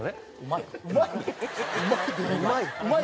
「うまい」？